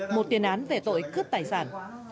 một tiền án về tội cướp tài sản